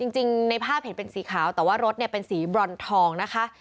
จริงในภาพเห็นเป็นสีขาวแต่ว่ารถเป็นสีบรอนทองนะคะ